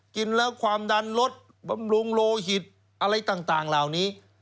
กินแล้วความดันลดบำรุงโลหิตอะไรต่างเหล่านี้